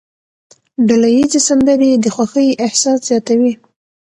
ډلهییزې سندرې د خوښۍ احساس زیاتوي.